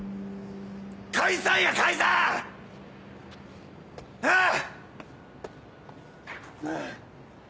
解散や‼解散‼あぁ！